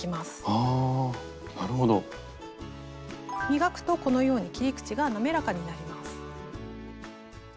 磨くとこのように切り口が滑らかになります。